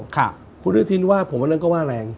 คุณอนุทินว่าผมวันนั้นก็ว่าแรง